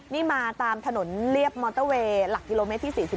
นี่มาตามถนนเรียบมอเตอร์เวย์หลักกิโลเมตรที่๔๔